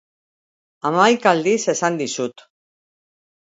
Hamaika aldiz esan dizut.